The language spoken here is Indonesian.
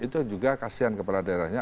itu juga kasian kepala daerahnya